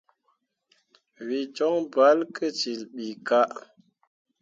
Wǝ jon bolle ki cil ɓii kah.